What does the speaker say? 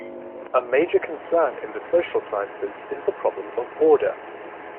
A major concern in the social sciences is the problem of order.